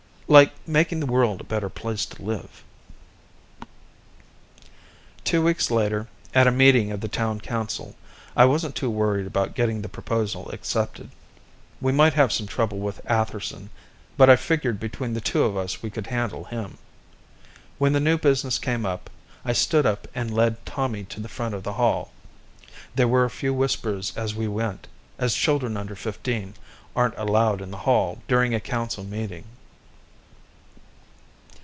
"Like making the world a better place to live." Two weeks later, at a meeting of the town council, I wasn't too worried about getting the proposal accepted. We might have some trouble with Atherson, but I figured between the two of us we could handle him. When the new business came up, I stood up and led Tommy to the front of the hall. There were a few whispers as we went, as children under fifteen aren't allowed in the hall during a council meeting.